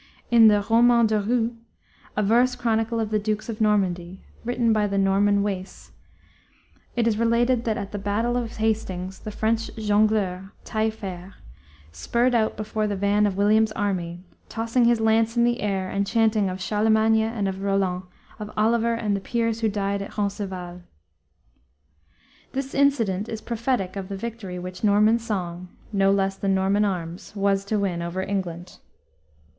In the Roman de Rou, a verse chronicle of the dukes of Normandy, written by the Norman Wace, it is related that at the battle of Hastings the French jongleur, Taillefer, spurred out before the van of William's army, tossing his lance in the air and chanting of "Charlemagne and of Roland, of Oliver and the peers who died at Roncesvals." This incident is prophetic of the victory which Norman song, no less than Norman arms, was to win over England.